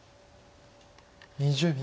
２０秒。